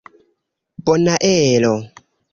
bonaero